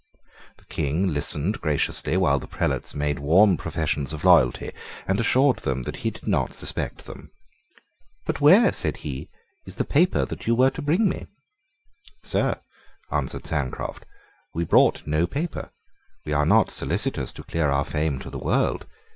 The King listened graciously while the prelates made warm professions of loyalty, and assured them that he did not suspect them. "But where," said he, "is the paper that you were to bring me?" "Sir," answered Sancroft, "we have brought no paper. We are not solicitous to clear our fame to the world.